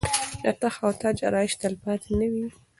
د تخت او تاج آرایش تلپاتې نه وي.